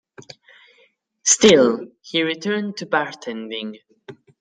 Still, he returned to bartending.